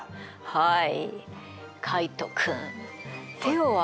はい。